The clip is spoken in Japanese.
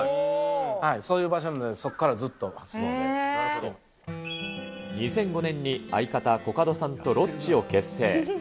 そういう場所なんで、２００５年に相方、コカドさんとロッチを結成。